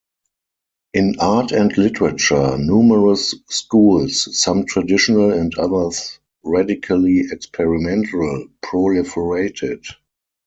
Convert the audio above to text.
In art and literature, numerous schools, some traditional and others radically experimental, proliferated.